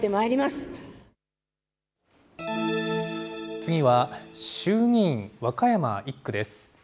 次は衆議院和歌山１区です。